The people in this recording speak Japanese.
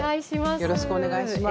よろしくお願いします。